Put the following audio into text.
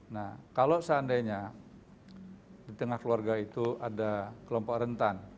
nah kalau seandainya di tengah keluarga itu ada kelompok rentan